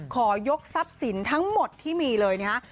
ขอยกทรัพย์สินทั้งหมดที่มีเลยนะฮะ